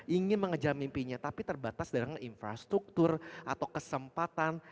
ingin mengejar mimpinya tapi terbatas dengan infrastruktur atau kesempatan